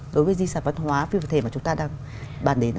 đối với di sản văn hóa phi vật thể mà chúng ta đang bàn đến